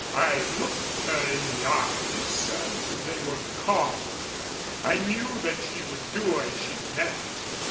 I looked her in the eyes and they were calm. I knew that she would do as she meant.